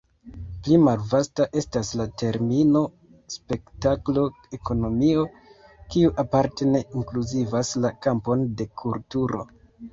Pli malvasta estas la termino spektaklo-ekonomio, kiu aparte ne inkluzivas la kampon de kulturo.